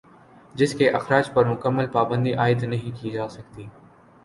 جس کے اخراج پر مکمل پابندی عائد نہیں کی جاسکتی